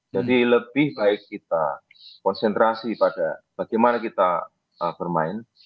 jadi lebih baik kita konsentrasi pada bagaimana kita bermain